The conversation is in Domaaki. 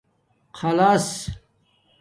خلاص